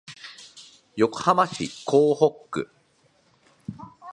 横浜市港北区